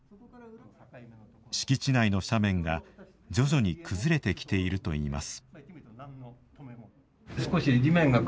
敷地内の斜面が徐々に崩れてきているといいます。